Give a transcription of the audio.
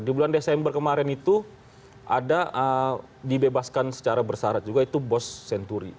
di bulan desember kemarin itu ada dibebaskan secara bersarat juga itu bos senturi